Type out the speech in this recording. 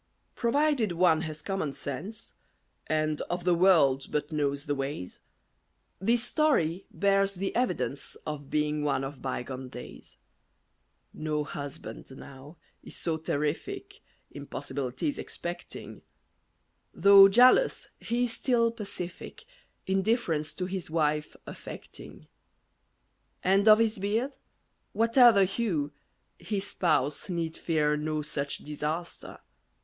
Provided one has common sense, And of the world but knows the ways, This story bears the evidence Of being one of bygone days. No husband now is so terrific, Impossibilities, expecting: Though jealous, he is still pacific, Indifference to his wife affecting. And of his beard, whate'er the hue, His spouse need fear no such disaster.